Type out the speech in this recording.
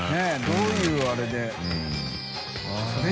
どういうあれで。